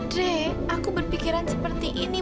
dre aku berpikiran seperti ini